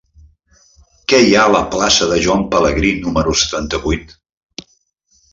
Què hi ha a la plaça de Joan Pelegrí número setanta-vuit?